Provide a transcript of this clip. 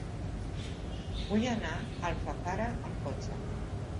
Vull anar a Alfafara amb cotxe.